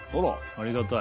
ありがたい。